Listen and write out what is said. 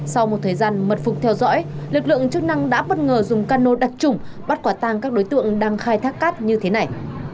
sau một thời gian mật phục theo dõi lực lượng chức năng đã bất ngờ dùng cano đặc trụng bắt quả tang các đối tượng đang khai thác cát như thế này